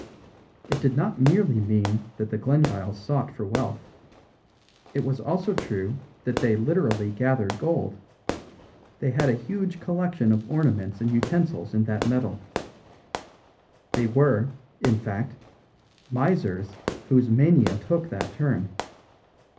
It did not merely mean that the Glengyles sought for wealth; it was also true that they literally gathered gold; they had a huge collection of ornaments and utensils in that metal. They were, in fact, misers whose mania took that turn.